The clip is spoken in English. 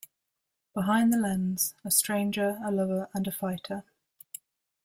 Behind the lens, a stranger, a lover and a fighter ...